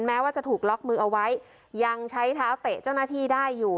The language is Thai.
แม้ว่าจะถูกล็อกมือเอาไว้ยังใช้เท้าเตะเจ้าหน้าที่ได้อยู่